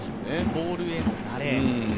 ボールへの慣れ。